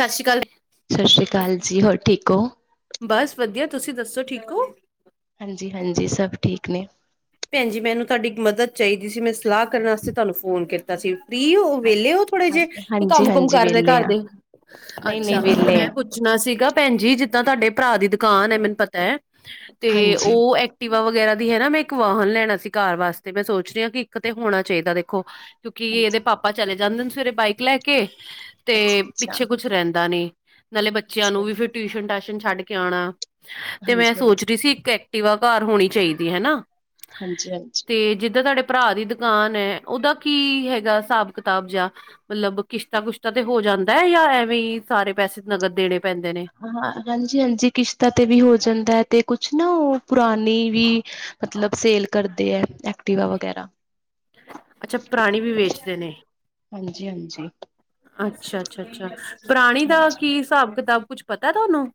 ਸਤਿ ਸ੍ਰੀ ਅਕਾਲ। ਕਲ ਜੀ ਹੋਰ ਠੀਕ ਹੋ। ਬਸ ਵਧੀਆ ਤੁਸੀਂ ਦੱਸੋ ਠੀਕ ਹੋ। ਹਾਂਜੀ-ਹਾਂਜੀ ਸਭ ਠੀਕ ਨੇ। ਭੈਣ ਜੀ ਮੈਨੂੰ ਤੁਹਾਡੀ ਮਦਦ ਚਾਹੀਦੀ ਸੀ ਮੈਂ ਸਲਾਹ ਕਰਨ ਵਾਸਤੇ ਤੁਹਾਨੂੰ ਫੋਨ ਕੀਤਾ ਸੀ। ਇਹ ਉਹ ਵੇਲੇ ਹੋ ਥੋੜੇ ਜਿਹੇ ਕੰਮ ਕੁਮ ਹਾਂਜੀ-ਹਾਂਜੀ ਕਰਦੇ ਵਿਹਲੇ ਘਰ ਆ, ਦੇ ਅੱਛਾ ਨਹੀਂ-ਨਹੀਂ ਵਿਹਲੇ ਆ, ਮੈਂ ਪੁੱਛਣਾ ਸੀਗਾ ਭੈਣ ਜੀ ਜਿੱਦਾਂ ਤੁਹਾਡੇ ਭਰਾ ਦੀ ਦੁਕਾਨ ਹੈ ਮੈਨੂੰ ਪਤਾ ਹੈ ਤੇ ਹਾਂਜੀ-ਹਾਂਜੀ। ਉਹ ਐਕਟੀਵਾ ਵਗੈਰਾ ਦੀ ਹੈ ਨਾ ਮੈਂ ਇੱਕ ਵਾਹਨ ਲੈਣਾ ਸੀ ਘਰ ਵਾਸਤੇ ਮੈਂ ਸੋਚ ਰਹੀ ਹ ਕਿ ਇੱਕ ਤੇ ਹੋਣਾ ਚਾਹੀਦਾ ਦੇਖੋ ਕਿਉਂਕਿ ਇਹਦੇ ਪਾਪਾ ਚਲੇ ਜਾਂਦੇ ਨੇ ਸਵੇਰੇ ਬਾਈਕ ਲੈ ਕੇ ਤੇ ਪਿੱਛੇ ਅੱਛਾ-ਅੱਛਾ-ਅੱਛਾ, ਕੁਛ ਰਹਿੰਦਾ ਨੀ। ਨਾਲੇ ਬੱਚਿਆਂ ਨੂੰ ਵੀ ਫਿਰ ਟਿਊਸ਼ਨ ਟਾਸ਼ਨ ਛੱਡ ਕੇ ਆਉਣਾ ਤੇ ਮੈਂ ਸੋਚ ਹਾਂਜੀ-ਹਾਂਜੀ, ਰਹੀ ਸੀ ਇੱਕ ਐ ਕਟਿਵਾ ਘਰ ਹੋਣੀ ਚਾਹੀਦੀ ਹਨਾ ਹਾਂਜੀ-ਹਾਂਜੀ। ਤੇ ਜਿੱਦਾਂ ਤੁਹਾਡੇ ਭਰਾ ਦੀ ਦੁਕਾਨ ਹੈ ਉਹਦਾ ਕੀ ਹੈਗਾ ਹਿਸਾਬ ਕਿਤਾਬ ਜਾਂ ਮਤਲਬ ਕਿਸ਼ਤਾਂ ਕੁਸ਼ਤਾ ਤੇ ਹੋ ਜਾ ਜਾਂਦਾ ਹੈ ਜਾਂ ਐਵੇਂ ਹੀ ਸਾਰੇ ਪੈਸੇ ਨਗਦ ਦੇਣੇ ਪੈਂਦੇ ਨੇ ਹਾਂ ਹਾਂਜੀ -ਹਾਂਜੀ ਕਿਸ਼ਤਾਂ ਤੇ ਵੀ ਹੋ ਜਾਂਦਾ ਹੈ ਤੇ ਕੁਛ ਨਾ ਉਹ ਪੁਰਾਣੀ ਵੀ ਮਤਲਬ ਸੇਲ ਕਰਦੇ ਏ ਐਕਟੀਵਾ ਵਗੈਰਾ ਅੱਛਾ ਪ੍ਰਾਣੀ ਵੀ ਵੇਚਦੇ ਨੇ ਹਾਂਜੀ-ਹਾਂਜੀ। ਅੱਛਾ, ਅੱਛਾ, ਅੱਛਾ ਪੁਰਾਣੀ ਦਾ ਹਾਂਜੀ ਕੀ ਹਿਸਾਬ ਕਿਤਾਬ ਕੁਛ ਪਤਾ ਤੁਹਾਨੂੰ?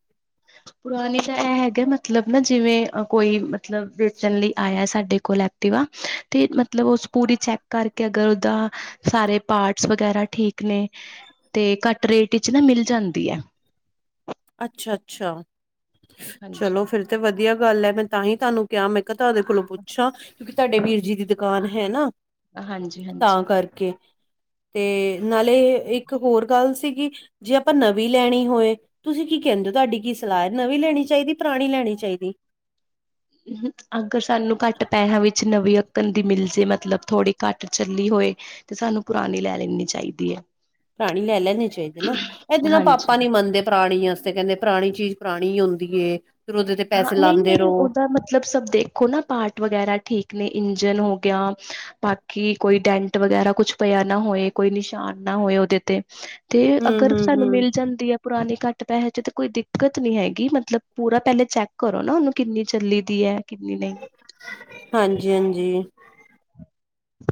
ਪੁਰਾਨੀ ਤਾਂ ਇਹ ਹੈਗਾ ਮਤਲਬ ਨਾ ਜਿਵੇਂ ਕੋਈ ਮਤਲਬ ਵੇਚਣ ਲਈ ਆਇਆ ਸਾਡੇ ਕੋਲ ਐਕਟਿਵਾ। ਤੇ ਮਤਲਬ, ਉਸ ਪੂਰੀ ਚੈੱਕ ਕਰਕੇ ਅਗਰ ਉਹਦਾ ਸਾਰੇ ਪਾਰਟਸ ਵਗੈਰਾ ਠੀਕ ਨੇ ਤੇ ਘੱਟ ਰੇਟ ਵਿੱਚ ਨਾ ਮਿਲ ਜਾਂਦੀ ਏ। ਅੱਛਾ, ਅੱਛਾ। ਹਾਂਜੀ ਚਲੋ ਫਿਰ ਤੇ ਵਧੀਆ। ਗੱਲ ਹੈ ਮੈਂ ਤਾਂਹੀ ਤੁਹਾਨੂੰ ਕਿਹਾ ਮੈਂ ਕਿਹਾ ਤੁਹਾਡੇ ਕੋਲੋਂ ਪੁੱਛਾਂ ਕਿਉਂਕਿ ਤੁਹਾਡੇ ਹਾਂ ਵੀਰਜੀ ਦੀ ਦੁਕਾਨ ਹੈ ਨਾ। ਹਾਂਜੀ, ਹਾਂਜੀ। ਤਾਂ ਕਰਕੇ ਤੇ ਨਾਲੇ ਇੱਕ ਹੋਰ ਗੱਲ ਸੀਗੀ ਜੇ ਆਪਾਂ ਨਵੀਂ ਲੈਨੀ ਹੋਏ। ਤੁਸੀਂ ਕੀ ਕਹਿੰਦੇ ਹੋ ਤੁਹਾਡੀ ਕੀ ਸਲਾਹ ਐ ਨਵੀਂ ਲੈਣੀ ਚਾਹੀਦੀ, ਪੁਰਾਣੀ ਲੈਣੀ ਚਾਹੀਦੀ? ਅਗਰ ਸਾਨੂੰ ਘੱਟ ਪੈਸਿਆਂ ਵਿੱਚ ਨਵੀ ਚੁਕਣ ਦੀ ਮਿਲ ਜੇ ਮਤਲਬ ਥੋੜੀ ਘੱਟ ਚੱਲੀ ਹੋਏ ਤੇ ਸਾਨੂੰ ਪੁਰਾਨੀ ਲੈ ਲੈਣੀ ਚਾਹੀਦੀ ਏ। ਪੁਰਾਣੀ ਲੈ ਲੈਣੇ ਚਾਹੀਦੇ ਨਾ ਇਹਦੇ ਨਾਲ ਪਾਪਾ ਹਾਂਜੀ ਨੀ ਮੰਨਦੇ ਪੁਰਾਣੀ ਆਸਤੇ ਕਹਿੰਦੇ ਪੁਰਾਣੀ ਚੀਜ਼ ਪੁਰਾਣੀ ਹੁੰਦੀ ਏ। ਫਿਰ ਉਹਦੇ ਤੇ ਹਾਂ ਪੈਸੇ ਨਹੀਂ, ਲਾਉਂਦੇ ਨਹੀਂ ਰਹੋ ਉਹਦਾ ਮਤਲਬ ਸਭ ਦੇਖੋ ਨਾ ਪਾਰਟ ਵਗੈਰਾ ਠੀਕ ਨੇ ਇੰ ਜਨ ਹੋ ਗਿਆ ਬਾਕੀ ਕੋਈ ਡੈਂਟ ਵਗੈਰਾ ਕੁਛ ਪਿਆ ਨਾ ਹੋਏ ਕੋਈ ਨਿਸ਼ਾਨ ਨਾ ਹੋਏ ਉਹਦੇ ਤੇ, ਤੇ ਹਮ ਅਗਰ ਹਮ ਸਾਨੂੰ ਹਮ ਮਿਲ ਜਾਂਦੀ ਏ ਪੁਰਾਣੇ ਘੱਟ ਪੈਹੇ ਤਾਂ ਕੋਈ ਦਿੱਕਤ ਨੀ ਹੈਗੀ ਮਤਲਬ ਪੂਰਾ ਪਹਿਲੇ ਚੈੱਕ ਕਰੋ ਨਾ ਉਹਨੂੰ ਕਿੰਨੀ ਚੱਲੀ ਵੀ ਏ। ਹਾਂਜੀ, ਹਾਂਜੀ।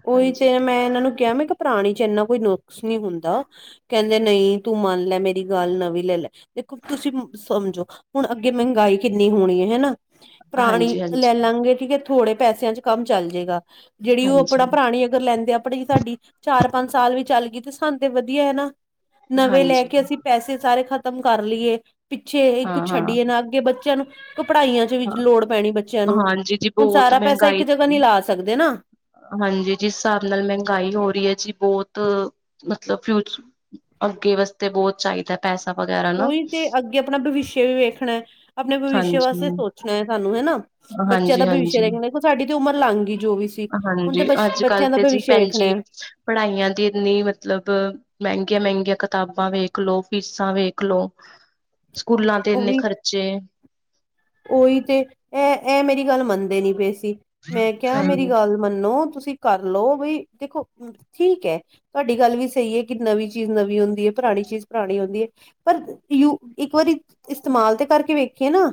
ਉਹੀ ਹਾਂਜੀ ਤੇ ਮੈਂ ਇਹਨਾਂ ਨੂੰ ਕਿਹਾ ਮੈਂ ਪੁਰਾਣੀ ਚ ਇੰਨਾ ਕੋਈ ਨੁਕਸ ਨੀ ਹੁੰਦਾ ਕਹਿੰਦੇ ਨਈ ਤੂੰ ਮੰਨ ਲੈ ਮੇਰੀ ਗੱਲ ਨਵੀਂ ਲੈ ਲੈ ਦੇਖੋ ਤੁਸੀਂ ਸਮਝੋ ਹੁਣ ਅੱਗੇ ਮਹਿੰਗਾਈ ਕਿੰਨੀ ਹੋਣੀ ਹੈ ਹੈਨਾ। ਪੁਰਾਣੀ ਹਾਂਜੀ ਲੈ ਹਾਂਜੀ ਲਾਂਗੇ ਠੀਕ ਏ। ਥੋੜੇ ਪੈਸਿਆਂ' ਚ ਕੰਮ ਚੱਲ ਜਏਗਾ ਜਿਹੜੀ ਉਹ ਆਪਣਾ ਹਾਂਜੀ ਪੁਰਾਣੀ ਅਗਰ ਲੈਂਦੇ ਆ ਆਪਣੀ ਸਾਡੀ ਚਾਰ ਪੰਜ ਸਾਲ ਵੀ ਚੱਲ ਗਈ ਤੇ ਸਾਨੂੰ ਤੇ ਵਧੀਆ ਹੈ ਨਾ। ਨਵੇਂ ਲੈ ਹਾਂਜੀ ਕੇ ਅਸੀਂ ਪੈਸੇ ਸਾਰੇ ਖਾ ਖ਼ਤਮ ਕਰ ਲਈਏ ਪਿੱਛੇ ਕੁ ਹਾਂ ਹਾਂ ਛੱਡੀਏ ਨਾ ਅੱਗੇ ਬੱਚਿਆਂ ਨੂੰ ਪੜ੍ਹਾਈਆਂ ਚ ਵੀ ਲੋੜ ਪੈਣੀ ਬੱਚਿਆਂ ਹਾਂ ਨੂੰ, ਹਾਂਜੀ ਜੀ ਹੁਣ ਬਹੁਤ ਸਾਰਾ ਪੈਸਾ ਇੱਕ ਮਹਿੰਗਾਈ ਜਗ੍ਹਾ ਨੀ ਲਾ ਸਕਦੇ ਨਾ‌। ਹਾਂਜੀ ਜਿਸ ਹਿਸਾਬ ਨਾਲ ਮਹਿੰਗਾਈ ਹੋ ਰਹੀ ਹੈ ਜੀ ਬਹੁਤ ਮਤਲਬ ਫਿਊ, ਅੱਗੇ ਵਾਸਤੇ ਬੋਤ ਚਾਹੀਦਾ ਪੈਸਾ ਵਗੈਰਾ ਨਾ ਉਹੀ ਤੇ, ਅੱਗੇ ਆਪਣਾ ਭਵਿੱਸ਼ਯ ਵੀ ਵੇਖਣਾ ਐ, ਆਪਣੇ ਭਵਿੱਸ਼ਯ ਹਾਂਜੀ। ਵਾਸਤੇ ਸੋਚਣਾ ਐ ਸਾਨੂੰ ਹਨਾ। ਬੱਚਿਆਂ ਦਾ ਹਾਂਜੀ, ਭਵਿੱਸ਼ਿਆ ਹਾਂਜੀ, ਦੇੇਖਣਾ ਸਾਡੀ ਤੇ ਉਮਰ ਲੰਘ ਗਈ ਜੋ ਵੀ ਸੀ। ਹੁਣ ਤੇ ਹਾਂਜੀ ਅੱਜ ਕੱਲ ਬੱਚਿਆਂ ਦਾ ਤੇ ਜੀ ਭਵਿੱਸ਼ਿਆ ਭੈਣ ਵੇਖਣਾ ਐ। ਜੀ ਪੜ੍ਹਾਈਆਂ ਦੀ ਇੰਨੀ ਮਤਲਬ ਮਹਿੰਗੀ ਮਹਿੰਗੀਆਂ, ਮਹਿੰਗੀਆਂ ਕਿਤਾਬਾਂ ਵੇਖ ਲੋ, ਫੀਸਾਂ ਵੇਖ ਲੋ। ਸਕੂਲਾਂ ਤੇ ਉਹ ਇੰਨੇ ਵੀ ਖਰਚੇ ਉਹੀ ਤੇ ਇਹ, ਇਹ ਮੇਰੀ ਗੱਲ ਮੰਨਦੇ ਨੀ ਪਏ। ਮੈਂ ਕਿਹਾ, ਮੇਰੀ ਹਾਂਜੀ, ਗੱਲ ਮੰਨੋ ਤੁਸੀਂ ਸੀਂ ਕਰਲਓ ਬਈ ਦੇਖੋ, ਠੀਕ ਹੈ ਤੁਹਾਡੀ ਗੱਲ ਵੀ ਸਹੀ ਐ, ਕਿ ਨਵੀਂ ਚੀਜ਼ ਨਵੀਂ ਹੁੰਦੀ ਐ। ਪੁਰਾਣੀ ਚੀਜ਼ ਪੁਰਾਣੀ ਹੁੰਦੀ ਐ, ਪਰ ਯੂ ਇੱਕ ਵਾਰੀ ਇਸਤੇਮਾਲ ਤੇ ਕਰਕੇ ਵੇਖੀਏ ਨਾ।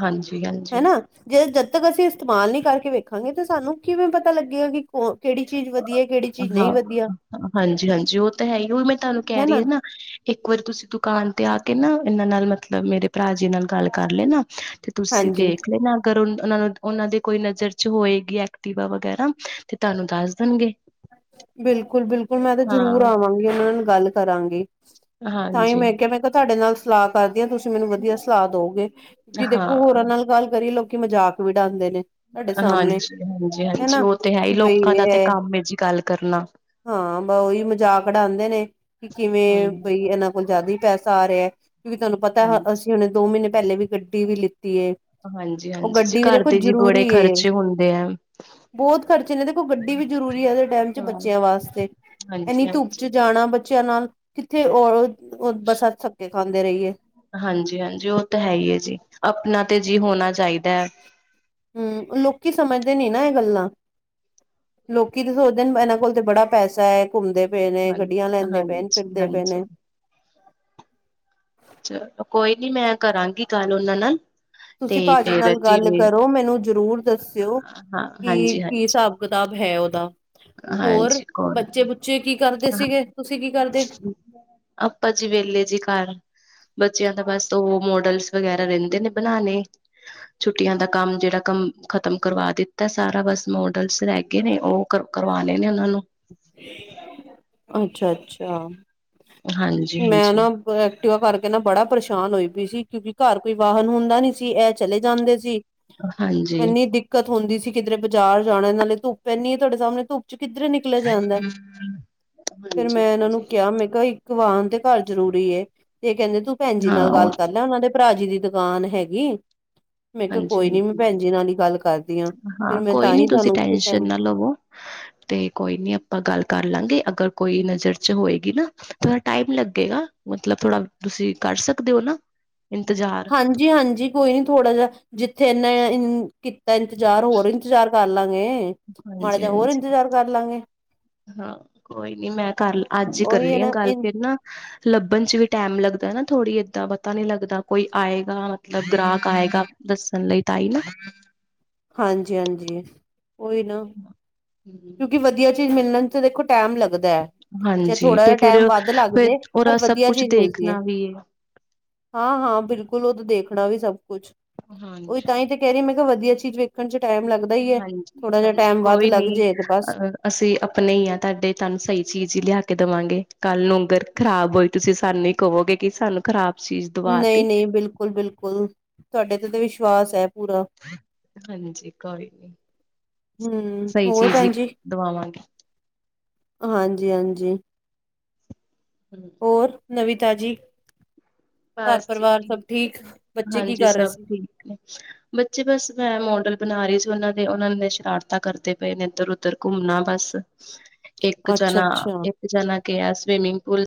ਹਾਂਜੀ, ਹਾਂਜੀ। ਹਨਾ ਜੇ ਜਦ ਤੱਕ ਅਸੀਂ ਇਸਤੇਮਾਲ ਨੀ ਕਰਕੇ ਵੇਖਾਂਗੇ, ਤੇ ਸਾਨੂੰ ਕਿਵੇਂ ਪਤਾ ਲੱਗੇਗਾ ਕਿ ਕੌਣ? ਹਾਂ ਹਾਂਜੀ, ਹਾਂਜੀ, ਉਹ ਤਾਂ ਹੈ ਹੀ ਉਹ ਵੀ ਮੈਂ ਤੁਹਾਨੂੰ ਕਹਿ ਰਹੀ ਹਨਾ ਹਾਂ ਨਾ ਇੱਕ ਵਾਰੀ ਤੁਸੀਂ ਦੁਕਾਨ ਤੇ ਆ ਕੇ ਨਾ, ਇਹਨਾਂ ਨਾਲ ਮਤਲਬ ਮੇਰੇ ਭਰਾ ਜੀ ਨਾਲ ਗੱਲ ਕਰ ਲੇਣਾ ਤੇ ਤੁਸੀਂ ਹਾਂਜੀ ਦੇਖ ਲੈਣਾ, ਨਾ ਅਗਰ ਉਹ ਨੂੰ ਉਹਨਾਂ ਦੇ ਕੋਈ ਨਜ਼ਰ ਚ ਹੋਏਗੀ ਐਕਟੀਵਾ ਵਗੈਰਾ, ਤੇ ਤੁਹਾਨੂੰ ਦੱਸ ਦੇਣਗੇ। ਬਿਲਕੁਲ, ਬਿਲਕੁਲ, ਮੈਂ ਤਾਂ ਜਰੂਰ ਹਾਂ ਆਵਾਂਗੀ, ਉਹਨਾਂ ਨਾਲ ਗੱਲ ਕਰਾਂਗੀ। ਤਾਂ ਹੀ ਹਾਂਜੀ, ਮੈਂ ਕਿਹਾ ਮੈਂ ਕਿਹਾ ਤੁਹਾਡੇ ਨਾਲ ਸਲਾਹ ਕਰ ਦੀਆ ਤੁਸੀਂ ਮੈਨੂੰ ਵਧੀਆ ਸਲਾਹ ਦਓਗੇ, ਕਿਉਂਕਿ ਦੇਖੋ ਹੋਰਾਂ ਹਾਂ ਨਾਲ ਗੱਲ ਕਰੀਏ, ਲੋਕੀ ਮਜ਼ਾਕ ਵੀ ਡਾਦੇ ਨੇ। ਤੁਹਾਡੇ ਸਾਹਮਣੇ ਹਾਂਜੀ, ਹਾਂਜੀ, ਹਾਂਜੀ ਹਨਾ ਉਹ ਤੇ ਹੈ ਹੀ, ਕਿ ਬਈ ਲੋਕਾਂ ਦਾ ਤੇ ਇਹ ਕੰਮ ਹੈ ਜੀ ਗੱਲ ਕਰਨਾ, ਹਾਂ ਬ ਉਹੀ ਮਜ਼ਾਕ ਡਾਂਦੇ ਨੇ, ਕਿ ਕਿਵੇਂ ਹੂੰ। ਬਈ ਇਹਨਾ ਕੁ ਜ਼ਿਆਦਾ ਹੀ ਪੈਸਾ ਆ ਰਿਹਾ, ਕਿਉਂਕਿ ਤੁਹਾਨੂੰ ਪਤਾ ਹਾਂਜੀ, ਅਸੀਂ ਹੁਣੇ ਦੋ ਮਹੀਨੇ ਪਹਿਲੇ ਵੀ ਗੱਡੀ ਵੀ ਲਿੱਤੀ। ਹਾਂਜੀ, ਉਹ ਹਾਂਜੀ ਜੀ, ਗੱਡੀ ਵੀ ਘਰ ਦੇਖੋ ਦੇ ਜੀ ਬੜੇ ਜ਼ਰੂਰੀ ਏ ਖਰਚੇ ਹੁੰਦੇ ਆ। ਬਹੁਤ ਖਰਚੇ ਨੇ ਦੇਖੋ ਗੱਡੀ ਵੀ ਜ਼ਰੂਰੀ ਐ, ਉਹਦੇ ਟਾਈਮ ਹਾਂ ਬੱਚਿਆਂ ਵਾਸਤੇ, ਇਨੀ ਹਾਂਜੀ-ਹਾਂਜੀ। ਧੁੱਪ 'ਚ ਜਾਣਾ ਬੱਚਿਆਂ ਨਾਲ ਕਿੱਥੇ ਉ ਬੱਸਾ ਥਕੇ ਖਾਂਦੇ ਰਹੀਏ। ਹਾਂਜੀ, ਹਾਂਜੀ ਉਹ ਤਾਂ ਹੈ ਹੀ ਹੈ ਜੀ, ਆਪਣਾ ਤੇ ਜੀ ਹੋ ਹੂੰ, ਲੋਕੀ ਸਮਝ ਨੀ ਨਾ ਇਹ ਗੱਲਾਂ, ਲੋਕੀ ਤਾਂ ਸੋਚਦੇ ਨੇ ਇਹਨਾਂ ਕੋਲ ਤੇ ਬੜਾ ਪੈਸਾ ਐ। ਘੁੰਮਦੇ ਪਏ ਨੇ। ਹਾਂਜੀ। ਗੱਡੀਆਂ ਲੈਂਦੇ ਪਏ ਨੇ। ਫਿਰਦੇ ਪਏ ਹਾਂਜੀ-ਹਾਂਜੀ ਨੇ ਚਲੋਂ, ਕੋਈ ਨੀ ਮੈਂ ਕਰਾਂਗੀ ਗੱਲ ਉਹਨਾਂ ਨਾਲ। ਤੇ ਤੁਸੀਂ ਭਾਜੀ ਫੇਰ ਨਾਲ ਗੱਲ ਜਿਵੇਂ ਕਰੋ, ਮੈਨੂੰ ਜ਼ਰੂਰ ਦੱਸਿਓ। ਹਾਂ ਕੀ, ਕੀ ਹਾਂਜੀ-ਹਾਂਜੀ, ਹਿਸਾਬ ਕਿਤਾਬ ਹੈ, ਉਹ ਹਾਂਜੀ ਹੋਰ ਹਾਂਜੀ ਕੋਈ ਬੱਚੇ- ਨੀ ਬੁੱਚੇ ਕੀ ਕਰਦੇ ਸੀਗੇ? ਤੁਸੀਂ ਕੀ ਕਰਦੇ? ਆਪਾਂ ਜੀ ਵੇਹਲੇ ਜੀ ਘਰ, ਬੱਚਿਆਂ ਦਾ ਬਸ ਉਹ ਮੋਡਲਸ ਵਗੈਰਾ ਰਹਿੰਦੇ ਨੇ ਬਨਾਣੇ, ਛੁੱਟੀਆਂ ਦਾ ਕੰਮ ਜਿਹੜਾ ਕੰਮ ਖ਼ਤਮ ਕਰਵਾ ਦਿੱਤਾ। ਤਾਂ ਸਾਰਾ ਬਸ ਮੋਡਲਸ ਰਹਿ ਗੇ ਨੇ, ਉਹ ਕਰਵਾਣੇ ਨੇ ਉਹਨਾਂ ਨੂੰ ਅੱਛਾ, ਅੱਛਾ। ਮੈਂ ਹਾਂਜੀ-ਹਾਂਜੀ, ਨਾ ਬ ਵਾ ਕਰਕੇ ਨਾ ਬੜਾ ਪਰੇਸ਼ਾਨ ਹੋਈ ਪਾਈ ਸੀ, ਕਿਉਂਕਿ ਘਰ ਕੋਈ ਵਾਹਨ ਹੁੰਦਾ ਨੀ ਸੀ, ਇਹ ਚਲੇ ਜਾਂਦੇ ਸੀ। ਜ ਹਾਂਜੀ-ਹਾਂਜੀ, ਐੰਨੀ ਦਿੱਕਤ ਹੁੰਦੀ ਸੀ, ਕਿਧਰੇ ਬਾਜ਼ਾਰ ਜਾਣਾ ਇਹ ਨਾਲੇ ਧੁੱਪ ਇਨੀ ਐ, ਤੁਹਾਡੇ ਸਾਹਮਣੇ ਧੁੱਪ ਚ ਕਿੱਧਰੇ ਨਿਕਲਿਆ ਜਾਂਦਾ, ਫਿਰ ਮੈਂ ਇਹਨਾਂ ਨੂੰ ਹਾਂਜੀ-ਹਾਂਜੀ ਕਿਹਾ ਮੈਂ ਕਿਹਾ ਇੱਕ ਵਾਹਨ ਤੇ ਘਰ ਜ਼ਰੂਰੀ ਐ, ਇਹ ਕਹਿੰਦੇ ਤੂੰ ਭੈਣ ਜੀ ਹਾਂ ਨਾਲ ਗੱਲ ਕਰ ਲੈ ਉਹਨਾਂ ਦੇ ਭਰਾ ਜੀ ਦੀ ਦੁਕਾਨ ਹੈਗੀ? ਮੈਂ ਕਿਹਾ ਕੋਈ ਨੀ, ਮੈਂ ਹਾਂਜੀ-ਹਾਂਜੀ। ਭੈਣ ਜੀ ਨਾਲ ਹੀ ਗੱਲ ਕਰਦੀ ਆ। ਹਾਂ ਕੋਈ ਨੀ ਤੁਸੀਂ ਟੈਂਸ਼ਨ ਨਾ ਲਵੋ, ਤੇ ਕੋਈ ਨੀ ਆਪਾਂ ਗੱਲ ਕਰ ਲਾਂਗੇ ਅਗਰ ਕੋਈ ਨਜ਼ਰ ਚ ਹੋਏਗੀ ਨਾ, ਥੋੜਾ ਟਾਈਮ ਲੱਗੇਗਾ ਮਤਲਬ ਥੋੜਾ, ਤੁਸੀਂ ਕਰ ਸਕਦੇ ਓ ਨਾ? [unintelligible] ਇੰਤਜ਼ਾਰ ਹਾਂਜੀ, ਹਾਂਜੀ ਕੋਈ ਨੀ ਥੋੜਾ ਜਹਾ, ਜਿੱਥੇ ਇਹਨਾ ਤਾਂ ਇੰਤਜ਼ਾਰ ਹੋਰ ਇੰਤਜ਼ਾਰ ਕਰ ਲਾਂਗੇ, ਮਾੜਾ ਹਾਂਜੀ ਜਿਹਾ ਹੋਰ ਹਾਂਜੀ ਇੰਤਜ਼ਾਰ ਕਰ ਲਾਂਗੇ। ਹਾਂ ਕੋਈ ਨੀ ਮੈਂ ਕਰ ਅੱਜ ਹੀ ਉਹੀ ਹੈ ਕਰਨੀ ਆ ਨਾ ਗੱਲ ਫੇਰ ਨਾ ਲੱਭਣ ਚ ਵੀ ਟਾਈਮ ਲੱਗਦਾ ਨਾ ਥੋੜ੍ਹੀ ਏਦਾਂ ਪਤਾ ਨੀ ਲੱਗਦਾ ਕੋਈ ਆਏਗਾ ਮਤਲਬ ਗਰਾਹਕ ਆਏਗਾ ਦੱਸਣ ਲਈ ਤਾਂ ਈ ਨਾ। ਹਾਂਜੀ, ਹਾਂਜੀ। ਉਹੀ ਨਾ ਕਿਉਂਕਿ ਵਧੀਆ ਚੀਜ਼ ਮਿਲਣ ਚ ਦੇਖੋ ਟਾਈਮ ਲੱਗਦਾ ਐ। ਜੇ ਹਾਂਜੀ ਥੋੜਾ ਤੇ ਜਿਹਾ ਫਿਰ ਟਾਈਮ ਵੱਧ ਲੱਗ ਫਿਰ ਜੇ ਉਹਦਾ ਪਰ ਸਭ ਵਧੀਆ ਕੁਛ ਚੀਜ਼ ਮਿਲਦੀ ਹੈ। ਦੇਖਣਾ ਵੀ ਹਾਂ, ਹਾਂ ਬਿਲਕੁਲ ਉਹ ਤਾਂ ਦੇਖਣਾ ਵੀ ਸਭ ਕੁਛ ਉਹੀ ਹਾਂਜੀ ਤਾਂ ਹੀ ਤੇ ਕਹਿ ਰਹੀ। ਮੈਂ ਕਿਹਾ ਵਧੀਆ ਚੀਜ਼ ਵੇਖ ਦੇਣ ਚ ਟਾਈਮ ਲੱਗਦਾ ਈ ਐ ਹਾਂਜੀ, ਥੋੜਾ ਜਿਹਾ ਹਾਂਜੀ ਟਾਈਮ ਵੱਧ ਕੋਈ ਲੱਗ ਨੀ ਜੇ ਬਸ ਅ ਅਸੀਂ ਆਪਣੇ ਹੀ ਆ ਤੁਹਾਡੇ ਤੁਹਾਨੂੰ ਸਹੀ ਚੀਜ਼ ਹੀ ਲਿਆ ਕੇ ਦੇਵਾਂਗੇ। ਕੱਲੂ ਅਗਰ ਖ਼ਰਾਬ ਹੋਈ ਤੁਸੀਂ ਸਾਨੂੰ ਹੀ ਕਹੋਗੇ ਕਿ ਸਾਨੂੰ ਖ਼ਰਾਬ ਚੀਜ਼ ਦਵਾ ਨਹੀਂ, ਤੀ ਨਹੀਂ ਬਿਲਕੁਲ ਬਿਲਕੁਲ ਤੁਹਾਡੇ ਤੇ ਤਾਂ ਵਿਸ਼ਵਾਸ ਐ। ਹਾਂਜੀ ਕੋਈ ਨੀ ਹਮ ਸਹੀ ਹੋਰ ਚੀਜ਼ ਹੀ ਭੈਣ ਜੀ ਦਵਾਵਾਂਗੇ। ਹਾਂਜੀ, ਹਾਂਜੀ। ਹੂੰ। ਨਵੀ-ਤਾਜੀ। ਬਸ ਜੀ ਠੀਕ। ਬੱਚੇ ਕੀ ਹਾਂਜੀ ਕਰ ਰਹੇ ਸਭ ਸੀ ਠੀਕ ਨੇ ਬੱਚੇ ਬਸ ਮੈਂ ਮੋਡਲ ਬਣਾਰੀ ਸੀ ਉਹਨਾਂ ਦੇ ਉਹਨਾਂ ਨੇ ਸ਼ਰਾਰਤਾਂ ਕਰਦੇ ਪਏ ਨੇ ਇੱਧਰ- ਉਧਰ ਘੁੰਮਣਾ ਬਸ। ਇੱਕ ਅੱਛਾ ਜਾਣਾ ਅੱਛਾ ਇੱਕ ਜਾਨਾ ਗਿਆ ਸਵਿਮਿੰਗ ਪੂਲ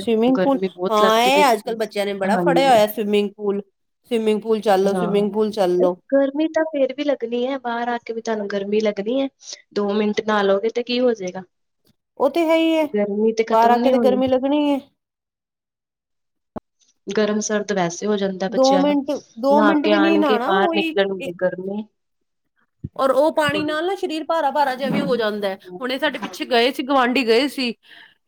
ਸਵਿਮਿੰਗ ਪੂਲ ਗਰਮੀ ਬਹੁਤ ਹਾਂ ਲੱਗਦੀ ਬ ਇਹ ਅੱਜ ਕੱਲ ਬੱਚਿਆਂ ਨੇ ਬੜਾ ਫੜਿਆ ਹਾਂਜੀ ਹੋਇਆ ਸਵਿਮਿੰਗ ਪੂਲ ਸਵਿਮਿੰਗ ਪੂਲ ਚੱਲ ਲੋ ਹਾਂ ਸਵਿਮਿੰਗ ਪੂਲ ਚੱਲ ਲੋ ਗਰਮੀ ਤਾਂ ਫੇਰ ਵੀ ਲੱਗਣੀ ਐ ਬਾਹਰ ਆ ਕੇ ਵੀ ਤੁਹਾਨੂੰ ਗਰਮੀ ਲੱਗ ਹੈ ਦੋ ਮਿੰਟ ਨਾ ਲਓਗੇ ਤੇ ਕੀ ਹੋ ਜਾਏਗਾ? ਉਹ ਤੇ ਹੈ ਹੀ ਹੈ ਗਰਮੀ ਤੇ ਬਾਹਰ ਆ ਖਤਮ ਕੇ ਨਹੀਂ ਤੇ ਹੋਣੀ। ਗਰਮੀ ਲੱਗਣੀ ਹੈ ਗਰਮ ਸਰਦ ਵੈਸੇ, ਹੋ ਜਾਂਦਾ ਦੋ ਬੱਚਿਆਂ ਨੂੰ, ਮਿੰਟ ਦੋ ਨਹਾ ਮਿੰਟ ਕੇ ਵੀ ਨੀ ਆਉਣਗੇ ਨਹਾਣਾ ਬਾਹਰ ਉਹੀ ਨਿਕਲਣਗੇ ਗਰਮੀ ਔਰ ਉਹ, ਤੇ ਪਾਣੀ ਨਾਲ ਨਾ, ਸਰੀਰ ਭਾਰਾ ਭਾਰਾ ਜਿਹਾ ਵੀ ਹੋ ਜਾਂਦਾ, ਹੁਣ ਇਹ ਸਾਡੇ ਪਿੱਛੇ ਗਏ ਸੀ ਗੁਵਢੀ ਗਏ ਸੀ। ਠੀਕ,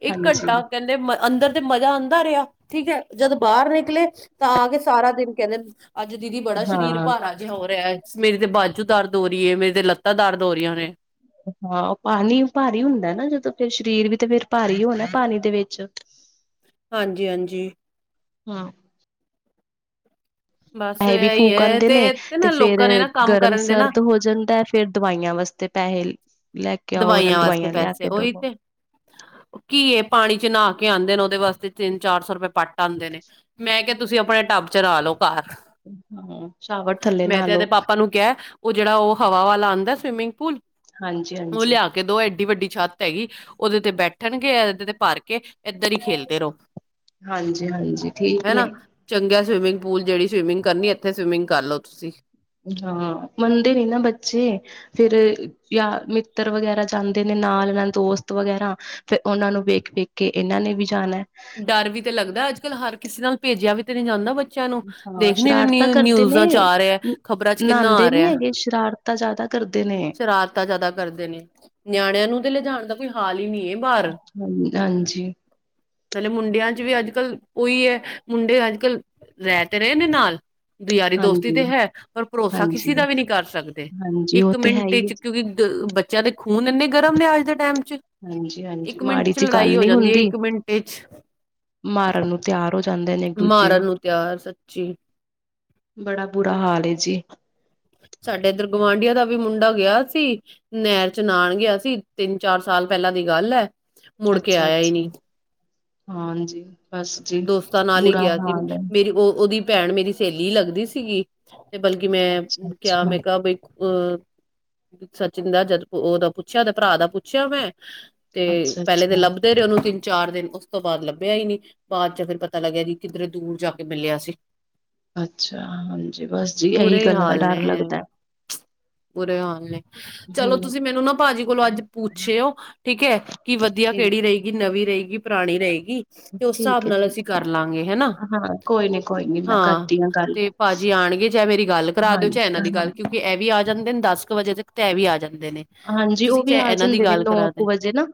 ਇੱਕ ਹਾਂਜੀ ਘੰਟਾ ਕਹਿੰਦੇ ਅੰਦਰ ਤੇ ਮਜ਼ਾ ਆਉਂਦਾ ਰਿਹਾ, ਠੀਕ ਹੈ ਜਦੋਂ ਬਾਹਰ ਨਿਕਲੇ ਤਾਂ, ਆ ਕੇ ਸਾਰਾ ਦਿਨ ਕਹਿੰਦੇ ਅੱਜ ਦੀਦੀ, ਬੜਾ ਸਰੀਰ ਹਾਂ ਭਾਰਾ ਜਿਹਾ ਹੋ ਰਿਹਾ ਹੈ, ਮੇਰੀ ਤੇ ਬਾਜੂ ਦਰ ਤੋਂ ਰੀਏ ਮੇਰੀ ਤੇ ਲੱਤਾਂ, ਦਰਦ ਹੋ ਰੀਹੀਆਂ ਨੇ। ਹਾਂ, ਪਾਣੀ ਭਾਰੀ ਹੁੰਦਾ ਨਾ, ਜਦੋਂ ਫਿਰ ਸਰੀਰ ਵੀ ਤਾਂ ਫਿਰ ਭਾਰੀ ਹੋਣਾ ਪਾਣੀ ਦੇ ਵਿੱਚ। ਹਾਂਜੀ--ਹਾਂਜੀ। ਹਾਂ ਬਸ ਪੈਸੇ, ਵੀ ਇਹੀ ਫੂਕ ਹੈ ਆਉਂਦੇ ਨੇ, ਇਥੇ ਤੇ ਨਾ ਫੇਰ ਲੋਕਾਂ ਨੇ ਨਾ ਕੰਮ ਗਰਮ ਕਰਨ ਦੇ ਨਾ ਸਰਦ ਹੋ ਜਾਂਦਾ ਹੈ, ਫੇਰ ਦਵਾਈਆਂ ਵਾਸਤੇ ਪਹਿਲ ਦਵਾਈਆਂ ਵਾਸਤੇ ਪੈਸੇ, ਓਹੀ ਦਵੋ ਤੇ ਘੀਏ ਪਾਣੀ ਚ ਨਾ ਆਉਂਦੇ ਨੇ, ਉਹਦੇ ਵਾਸਤੇ ਤਿੰਨ ਚਾਰ ਸੌ ਰੁਪਏ ਪੱਟ ਆਉਂਦੇ ਨੇ, ਮੈਂ ਕਿਹਾ ਤੁਸੀਂ ਆਪਣਾ ਟਾਬਾ ਚਲਾ ਲਉ। ਹਾਂ ਸ਼ਾਵਰ ਥੱਲੇ ਮੈਂ ਨਾ ਤੇ, ਇਹਦੇ ਲੋ ਪਾਪਾ ਨੂੰ ਕਿਹਾ, ਉਹ ਜਿਹੜਾ ਉਹ ਹਵਾ, ਵਾਲਾ ਅਉਂਦਾ ਸਵਿਮਿੰਗ ਪੂਲ। ਹਾਂਜੀ ਉਹ ਹਾਂਜੀ ਲਿਆ ਕੇ ਦੋ, ਐਡੀ ਵੱਡੀ ਛੱਤ ਹੈਗੀ, ਉਹਦੇ ਤੇ ਬੈਠਣਗੇ ਇਹਦੇ ਤੇ ਭਰ ਕੇ। ਇੱਧਰ ਹੀ, ਖੇਲਦੇ ਰਹੋ ਹਾਂਜੀ ਹਾਂਜੀ ਠੀਕ ਨੇ ਹਨਾ, ਚੰਗਾ ਸਵਿਮਿੰਗ ਪੂਲ ਜਿਹੜੀ ਸਵਮਿਗ ਕਰਨੀ, ਇਥੇ ਸਵਿਮਿੰਗ ਲੋ ਤੁਸੀਂ। ਹਾਂ ਮੰਨਦੇ ਨੀ ਨਾ ਬੱਚੇ ਪੁੱਤਰ ਵਗੈਰਾ ਜਾਂਦੇ ਨੇ ਨਾਲ ਨਾਲ ਦੋਸਤ ਵਗੈਰਾ, ਫੇਰ ਉਹਨਾਂ ਨੂੰ ਵੇਖ ਵੇਖ ਕੇ ਇਹਨਾਂ ਨੇ ਵੀ ਜਾਣਾ। ਡਰ ਵੀ ਤੇ ਲੱਗਦਾ, ਅੱਜ ਕੱਲ੍ਹ ਹਰ ਕਿਸੇ ਨਾਲ ਭੇਜਿਆ ਵੀ ਤੇ ਨਹੀਂ ਜਾਂਦਾ। ਚਲੋ, ਹਾਂ ਦੇਖ ਦੀ ਰਹਿਣੀ ਸ਼ਰਾਰਤਾਂ ਨੇ ਕਰਦੇ ਨਨਿਊਜਾਂ, ਚ ਆ ਰਿਹਾ ਖ਼ਬਰਾਂ ਚ ਕਿੰਨਾ, ਨਹਾਂਦੇ ਆ ਨੀ ਰਿਹਾ। ਹੈਗੇ ਸ਼ਰਾਰਤਾਂ ਜ਼ਿਆਦਾ ਕਰਦੇ ਨੇ ਸ਼ਰਾਰਤਾਂ ਜ਼ਿਆਦਾ ਕਰਦੇ ਨੇ, ਨਿਆਣਿਆਂ ਨੂੰ ਤੇ ਲਿਜਾਣ ਦਾ ਕੋਈ ਹਾਲ ਕਿੰਨੀ ਏ ਬਾਹਰ ਹਾਂ ਹਾਂਜੀ ਪਹਿਲੇ ਮੁੰਡਿਆਂ ਚ ਵੀ ਅੱਜ। ਅੱਜ ਕੱਲ ਉਹੀ ਹੈ ਮੁੰਡੇ, ਅੱਜ ਕੱਲ੍ਹ ਰਹਿ ਤੇ ਰਹੇ ਨੇ ਨਾਲ ਯਾਰੀ, ਦੋਸਤੀ, ਹਾਂਜੀ ਤੇ ਹੈ ਪਰ ਭਰੋਸਾ, ਹਾਂਜੀ ਕਿਸੇ ਦਾ ਵੀ ਨਹੀਂ ਕਰ ਸਕਦੇ? ਹਾਂਜੀ ਉਹ ਇੱਕ ਤੇ ਹੈ ਮਿੰਟ ਹੀ ਹੈ। ਚ, ਕਿਉਂਕਿ ਬੱਚਿਆਂ ਦੇ ਖੂਨ, ਇੰਨੇ ਗਰਮ ਨੇ ਅੱਜ ਦੇ ਟਾਈਮ ਚ ਹਾਂਜੀ ਹਾਂਜੀ, ਇੱਕ ਮਿੰਟ ਮਾੜੀ ਚ ਜੀ ਲੜਾਈ ਗੱਲ ਹੋ ਨੀ ਜਾਂਦੀ ਹੈ ਹੁੰਦੀ, ਇੱਕ ਮਿੰਟ ਚ ਮਾਰਨ ਨੂੰ ਤਿਆਰ ਹੋ ਜਾਂਦੇ ਨੇ ਇੱਕ ਦੂਜੇ ਮਾਰਨ ਨੂੰ ਤਿਆਰ, ਸੱਚੀ ਬੜਾ, ਬੁਰਾ ਹਾਲ ਏ ਜੀ। ਸਾਡੇ ਏਧਰ, ਗਵਾਡੀਆਂ ਦਾ ਵੀ ਮੁੰਡਾ ਗਿਆ ਸੀ ਨਹਿਰ ਚ ਨਾਹਨ ਗਿਆ ਸੀ, ਤਿੰਨ, ਚਾਰ ਸਾਲ ਪਹਿਲਾਂ ਦੀ ਗੱਲ ਹੈ, ਮੁੜ ਕੇ ਆਇਆ ਈ ਨਹੀ ਅੱਛਾ-ਅੱਛਾ, ਹਾਂਜੀ ਬਸ ਜੀ ਦੋਸਤਾਂ ਨਾਲ ਹੀ ਬੁਰਾ ਗਿਆ ਸੀ, ਹਾਲ ਹੈ। ਮੇਰੀ ਉਹ ਉਹਦੀ ਭੈਣ, ਮੇਰੀ ਸਹੇਲੀ ਲੱਗਦੀ ਸੀਗੀ, ਤੇ ਬਲਕਿ ਮੈਂ ਕਿਹਾ, ਅੱਛਾ-ਅੱਛਾ, ਮੈਂ ਕਿਹਾ ਬਈ ਹੂੰ ਸਚਿਨ, ਦਾ ਜਦ ਉਹਦਾ ਪੁੱਛਿਆ, ੳਦੇ ਭਰਾ ਦਾ ਪੁੱਛਿਆ ਮੈਂ ਤੇ ਅੱਛਾ-ਅੱਛਾ, ਪਹਿਲੇ ਤਾਂ ਅੱਛਾ ਲੱਭਦੇ ਰਹੇ ਉਹਨੂ? ਚਾਰ ਦਿਨ, ਉਸ ਤੋਂ ਬਾਅਦ ਲੱਭਿਆ ਹੀ ਨਹੀਂ, ਬਾਅਦ ਚ ਫਿਰ ਪਤਾ ਲੱਗਿਆ ਕਿ ਕਿੱਧਰੇ ਦੂਰ ਜਾ ਕੇ ਮਿਲਿਆ ਸੀ। ਅੱਛਾ। ਹਾਂਜੀ, ਬਸ ਜੀ ਇਹੀ ਬੁਰੇ ਗੱਲਾਂ ਦਾ ਹਾਲ ਡਰ ਲੱਗਦਾ। ਬੁਰੇ ਹਾਲ ਨੇ। ਚਲੋ, ਹੂੰ ਤੁਸੀਂ ਮੈਨੂੰ ਨਾ ਪਾਜੀ ਕੋਲੋਂ ਅੱਜ ਪੁੱਛਿਓ ਠੀਕ ਹੈ, ਕਿ ਵਧੀਆ ਠੀਕ, ਕਿਹੜੀ ਰਹੇਗੀ ਨਵੀਂ ਰਹੇਗੀ ਪੁਰਾਣੀ ਰਹੇਗੀ ਤੇ ਉਸ ਹਿਸਾਬ ਠੀਕ ਹੈ ਨਾਲ ਜੀ ਅਸੀਂ ਕਰ ਲਾਂਗੇ ਹੈਨਾ। ਹਾਂ ਕੋਈ ਨੀ ਕੋਈ ਨੀ ਮੈਂ ਹਾਂ ਕਰਦੀ ਗੱਲ। ਤੇ ਪਾਜੀ ਆਣਗੇ, ਚਾਹੇ ਮੇਰੀ ਗੱਲ ਕਰਾ ਦਿਓ ਚਾਹੇ ਹਾਂਜੀ ਇਹਨਾਂ ਦੀ ਹਾਂ, ਗੱਲ, ਕਿਉਂਕਿ ਇਹ ਵੀ ਆ ਜਾਂਦੇ ਨੇ ਦਸ ਵਜੇ, ਤੱਕ, ਤਾਂ ਇਹ ਵੀ ਆ ਜਾਂਦੇ ਨੇ। ਦੇਨੇ, ਤੇ ਹਾਂਜੀ ਉਹ ਤੁਸੀਂ ਵੀ ਚਾਹੇ ਆ ਇਹਨਾਂ ਦੀ ਜਾਂਦੇ ਨੇ ਗੱਲ ਕਰਾ ਨੌ ਦੇ ਕੁ ਵਜੇ ਨਾ।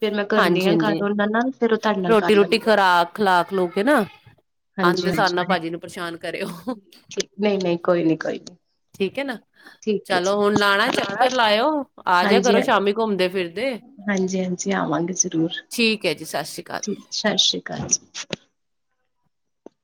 ਫੇਰ ਮੈਂ ਕਰਨੀ ਹਾਂਜੀ- ਆ ਹਾਂਜੀ ਗੱਲ ਉਹਨਾਂ ਨਾਲ ਫੇਰ ਉਹ ਤੁਹਾਡੇ ਨਾਲ ਕਰ ਰੋਟੀ ਰੁਟੀ ਲੈਣਗੇ। ਖੁਲਾ ਖੁਲੂ ਕੇ ਨਾ ਆਉਂਦੇ ਸਾਰ ਨਾ ਹਾਂਜੀ-ਹਾਂਜੀ ਪਾਜੀ ਨੂੰ, ਪਰੇਸ਼ਾਨ ਕਰਿਓ। ਠੀਕ ਨਹੀਂ-ਨਹੀਂ ਕੋਈ ਨੀ ਕੋਈ ਨੀ ਠੀਕ ਹੈ ਨਾ। ਠੀਕ ਹੈ ਚਲੋ ਜੀ। ਹੁਣ ਲਾਣਾ ਚੱਕਰ ਲਾਇਓ, ਆਜਿਆ ਕਰੋ ਸ਼ਾਮੀ ਘੁੰਮਦੇ ਫਿਰ ਹਾਂਜੀ- ਹਾਂਜੀ ਆਵਾਂਗੇ ਜ਼ਰੂਰ। ਠੀਕ ਹੈ ਜੀ ਸਤਿ ਸ਼੍ਰੀ ਅਕਾਲ। ਠੀਕ, ਸਤਿ ਸ੍ਰੀ ਅਕਾਲ ਜੀ।